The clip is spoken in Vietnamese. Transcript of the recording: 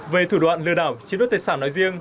về thủ đoạn lừa đảo chiến đấu tài sản nói riêng